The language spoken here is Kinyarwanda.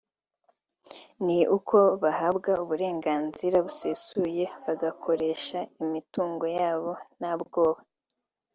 ni uko bahabwa uburenganzira busesuye bagakoresha imitungo yabo nta bwoba